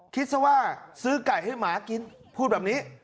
คิดซะว่าซื้อไก่ให้หมากินพูดแบบนี้